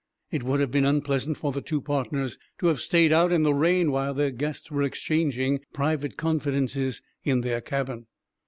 It would have been unpleasant for the two partners to have stayed out in the rain while their guests were exchanging private confidences in their cabin.